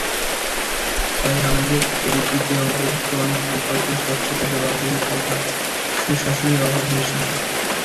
তাই আমাদের এডিপিতে অন্তর্ভুক্ত অনেক প্রকল্পেই স্বচ্ছতা-জবাবদিহি তথা সুশাসনের অভাব দৃশ্যমান।